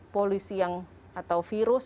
polusi yang atau virus